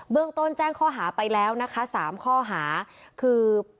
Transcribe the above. เรื่องต้นแจ้งข้อหาไปแล้วนะคะ๓ข้อหาคือ